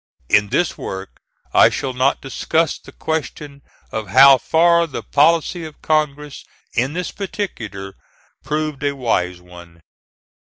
In this work, I shall not discuss the question of how far the policy of Congress in this particular proved a wise one.